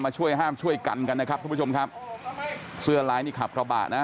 ช่วยห้ามช่วยกันกันนะครับทุกผู้ชมครับเสื้อลายนี่ขับกระบะนะ